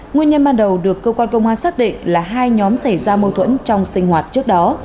nguyên nhân ban đầu được cơ quan công an xác định là hai nhóm xảy ra mâu thuẫn trong sinh hoạt trước đó